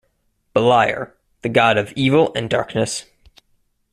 Beliar, the god of evil and darkness.